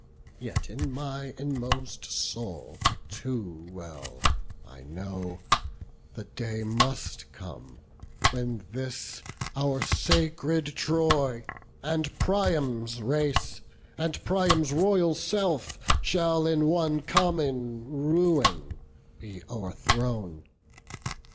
Yet in my inmost soul too well I know, The day must come when this our sacred Troy, And Priam's race, and Priam's royal self Shall in one common ruin be o'erthrown.